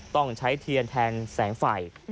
ต้องใช้เทียนแทนแสงไฟ